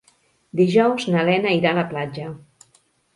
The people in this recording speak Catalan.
Dijous na Lena irà a la platja.